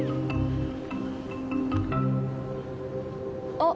あっ。